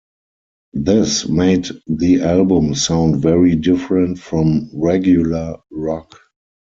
This made the album sound very different from regular rock.